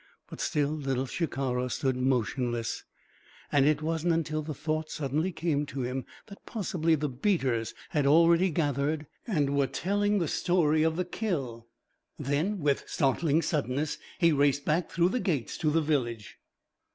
But still Little Shikara stood motionless and it wasn't until the thought suddenly came to him that possibly the beaters had already gathered and were telling the story of the kill that with startling suddenness he raced back through the gates to the village.